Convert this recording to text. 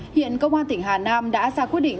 hiện công an tỉnh hà nam đã ra quyết định